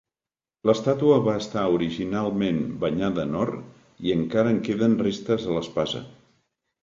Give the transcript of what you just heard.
La estàtua va estar originalment banyada en or i encara en queden restes a l'espasa.